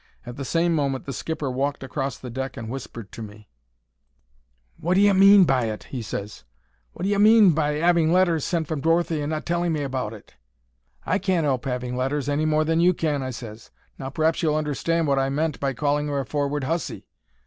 At the same moment the skipper walked across the deck and whispered to me. "Wot d'ye mean by it?" he ses. "Wot d'ye mean by 'aving letters from Dorothy and not telling me about it?" "I can't help 'aving letters any more than you can," I ses. "Now p'r'aps you'll understand wot I meant by calling 'er a forward hussy."